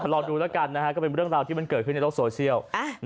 รอดูแล้วกันนะฮะก็เป็นเรื่องราวที่มันเกิดขึ้นในโลกโซเชียล